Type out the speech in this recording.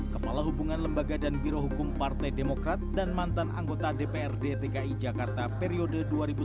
kepala hubungan lembaga dan birohukum partai demokrat dan mantan anggota dpr dtki jakarta periode dua ribu sembilan belas dua ribu dua puluh tiga